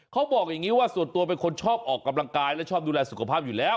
เขาบอกอย่างนี้ว่าส่วนตัวเป็นคนชอบออกกำลังกายและชอบดูแลสุขภาพอยู่แล้ว